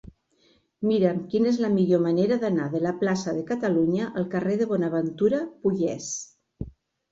Mira'm quina és la millor manera d'anar de la plaça de Catalunya al carrer de Bonaventura Pollés.